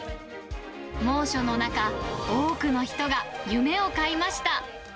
猛暑の中、多くの人が夢を買いました。